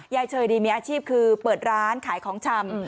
เชยนี่มีอาชีพคือเปิดร้านขายของชำ